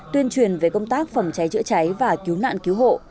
tuyên truyền về công tác phòng trái trợ cháy và cứu nạn cứu hộ